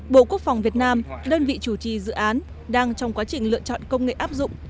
bộ quốc phòng việt nam đơn vị chủ trì dự án đang trong quá trình lựa chọn công nghệ áp dụng